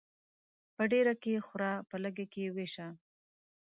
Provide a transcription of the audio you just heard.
په ډيري کې خوره ، په لږي کې ويشه.